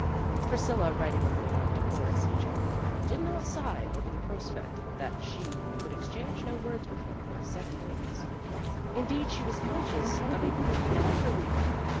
Priscilla writing a little note to Horace Hitchcock did not sigh over the prospect that she could exchange no words with him for seven days. Indeed she was conscious of a profound relief.